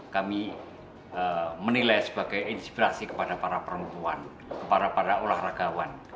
kami menilai sebagai inspirasi kepada para perempuan kepada para olahragawan